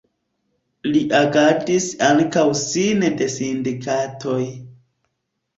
Li agadis ankaŭ sine de sindikatoj.